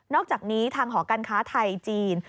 อกจากนี้ทางหอการค้าไทยจีน